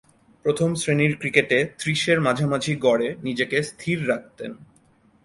প্রথম-শ্রেণীর ক্রিকেটে ত্রিশের মাঝামাঝি গড়ে নিজেকে স্থির রাখতেন।